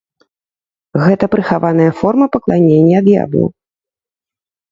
Гэта прыхаваная форма пакланення д'яблу!